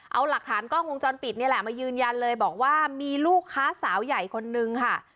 เอาหลักฐานกล้องวงจรปิดนี่แหละมายืนยันเลยบอกว่ามีลูกค้าสาวใหญ่คนนึงค่ะ